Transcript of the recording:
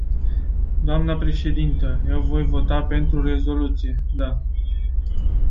Dnă președintă, eu voi vota pentru rezoluție, da.